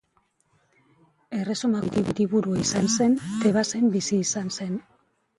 Erresumako hiriburu izan zen Tebasen bizi izan zen.